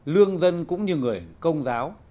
lương dân cũng như người công giáo